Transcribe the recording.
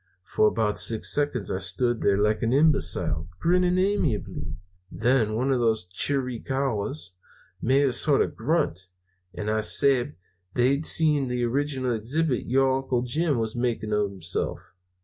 For about six seconds I stood there like an imbecile, grinning amiably. Then one of the Chiricahuas made a sort of grunt, and I sabed that they'd seen the original exhibit your Uncle Jim was making of himself.